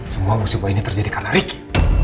semua musibah ini terjadi karena ricky